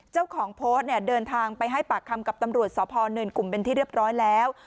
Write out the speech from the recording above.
เจ้าของโพสต์เนี่ยเดินทางไปให้ปากคำกับตำรวจสพเนินกลุ่มเป็นที่เรียบร้อยแล้ว